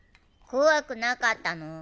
怖くなかったの？